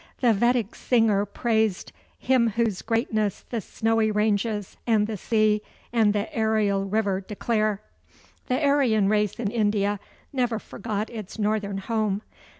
The Vedic singer praised "Him whose greatness the snowy ranges, and the sea, and the aerial river declare." The Aryan race in India never forgot its northern home.